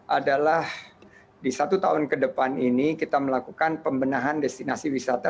adalah di satu tahun ke depan ini kita melakukan pembenahan destinasi wisata